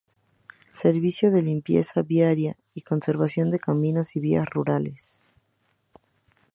Servicio de limpieza viaria y conservación de caminos y vías rurales.